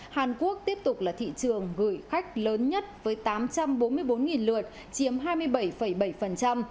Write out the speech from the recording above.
hàn quốc tiếp tục là thị trường gửi khách lớn nhất với tám trăm bốn mươi bốn lượt chiếm hai mươi bảy bảy